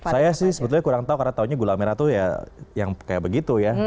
saya sih sebetulnya kurang tahu karena taunya gula merah tuh ya yang kayak begitu ya